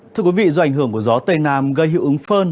thưa quý vị do ảnh hưởng của gió tây nam gây hiệu ứng phơn